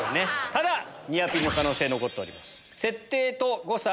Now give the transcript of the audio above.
ただニアピンの可能性残ってます。